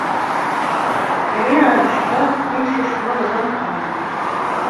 Riɣ ad d-sɣeɣ imsismeḍ d ameqran.